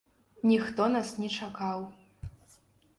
Ніхто нас не чакаў.